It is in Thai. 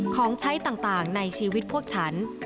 ของใช้ต่างในชีวิตพวกฉัน